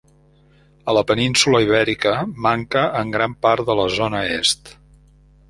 A la península Ibèrica manca en gran part de la zona est.